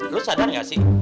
lu sadar gak sih